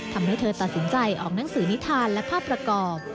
ทำให้เธอตัดสินใจออกหนังสือนิทานและภาพประกอบ